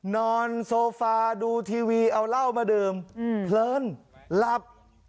นอนโซฟาดูทีวีเอาเหล้ามาดื่มเพลินหลับ